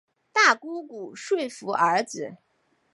大姑姑说服儿子